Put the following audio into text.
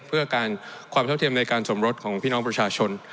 เพื่อการความเท่าเทียมในการสมรสของพี่น้องประชาชน